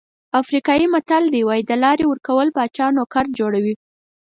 افریقایي متل وایي د لارې ورکول پاچا نوکر جوړوي.